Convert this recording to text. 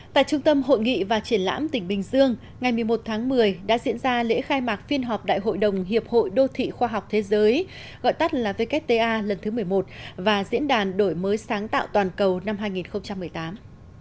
tại trung tâm hội nghị và triển lãm tỉnh bình dương ngày một mươi một tháng một mươi đã diễn ra lễ khai mạc phiên họp đại hội đồng hiệp hội đô thị khoa học thế giới gọi tắt là wta lần thứ một mươi một và diễn đàn đổi mới sáng tạo toàn cầu năm hai nghìn một mươi tám